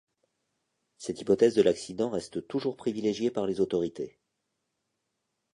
Cette hypothèse de l’accident reste toujours privilégiée par les autorités.